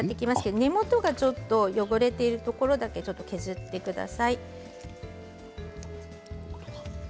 根元がちょっと汚れているところだけ削ってください。